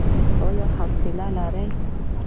ایا حوصله لرئ؟